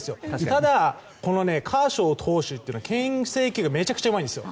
ただ、このカーショー投手は牽制球がめちゃくちゃうまいんです。